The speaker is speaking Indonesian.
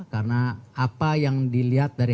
karena apa yang dilihat dari